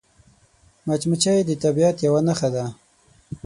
مچمچۍ د طبیعت یوه نښه ده